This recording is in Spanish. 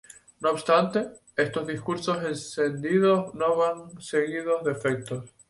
No obstante, estos discursos encendidos no van seguidos de efectos.